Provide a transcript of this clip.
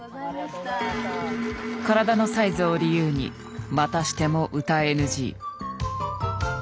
体のサイズを理由にまたしても歌ＮＧ。